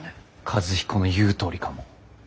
和彦の言うとおりかも。